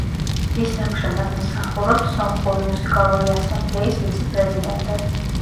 ის ამჟამად მსახურობს სომხური მუსიკალური ასამბლეის ვიცე-პრეზიდენტად.